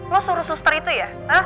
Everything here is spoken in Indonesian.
lo suruh suster itu ya